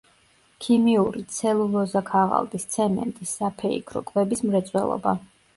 ქიმიური, ცელულოზა-ქაღალდის, ცემენტის, საფეიქრო, კვების მრეწველობა.